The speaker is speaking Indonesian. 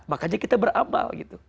makanya kita beramal